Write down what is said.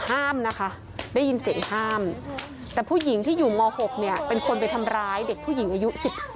ห้ามนะคะได้ยินเสียงห้ามแต่ผู้หญิงที่อยู่ม๖เนี่ยเป็นคนไปทำร้ายเด็กผู้หญิงอายุ๑๔